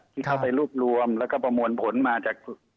ที่เข้าไปรวบรวมแล้วก็ประมวลผลมาจาก